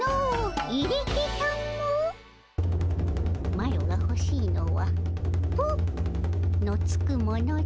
マロがほしいのは「ぷ」のつくものじゃ。